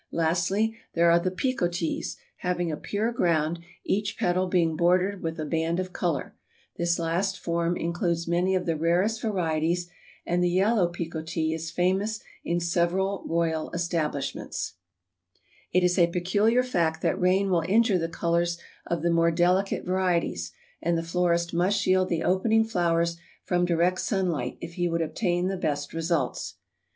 Lastly there are the picotees, having a pure ground, each petal being bordered with a band of color. This last form includes many of the rarest varieties and the yellow picotee is famous in several royal establishments. [Illustration: CARNATIONS. (Dianthus caryophyllus).] It is a peculiar fact that rain will injure the colors of the more delicate varieties, and the florist must shield the opening flowers from direct sunlight if he would obtain the best results.